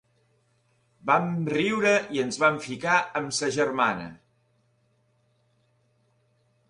Vam riure i ens vam ficar amb sa germana.